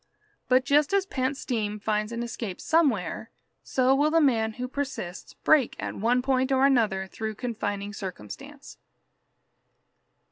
But just as pent steam finds an escape somewhere, so will the man who persists break at one point or another through confining circumstance.